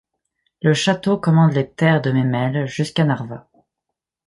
Le château commande les terres de Memel, jusqu’à Narva.